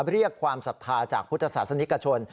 เรียกความศรัทธาจากพุทธศาสนิกชน